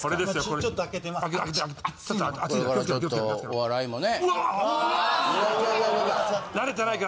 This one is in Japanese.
ちょっと開けてみますか。